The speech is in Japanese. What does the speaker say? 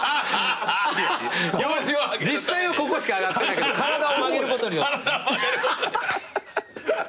実際はここしか上がってないけど体を曲げることによって。